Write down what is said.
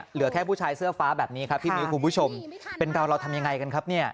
เหลือแค่ผู้ชายเสื้อฟ้าแบบนี้ครับพี่มิ้วคุณผู้ชมเป็นเราเราทำยังไงกันครับเนี่ย